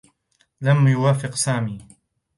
لم يوافق سامي.